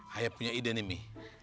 hayap punya ide nih mi